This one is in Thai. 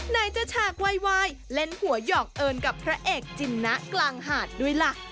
ไหนจะฉากวายเล่นหัวหยอกเอิญกับพระเอกจินนะกลางหาดด้วยล่ะ